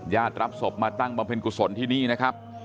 รับศพมาตั้งบำเพ็ญกุศลที่นี่นะครับ